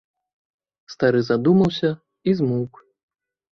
Стары задумаўся і змоўк.